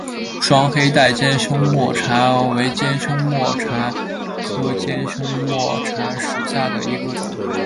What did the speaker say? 双黑带尖胸沫蝉为尖胸沫蝉科尖胸沫蝉属下的一个种。